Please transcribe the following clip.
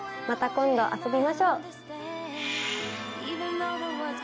また今度遊びましょう。